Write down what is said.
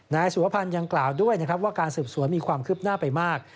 นายสุวพันธ์ยังกล่าวด้วยนะครับว่าการสืบสวนมีความคืบหน้าไปมาก